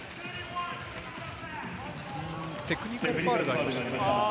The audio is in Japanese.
テクニカルファウルがありましたね。